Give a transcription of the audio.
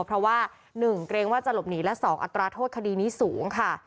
เพราะว่า๑เกรงว่าจะหลบหนีและ๒อัตราโทษคดีนี้สูงค่ะ